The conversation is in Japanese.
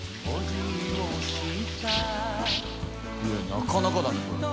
なかなかだねこれも。